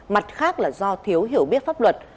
mặt khác là do thiếu hiểu biết pháp luật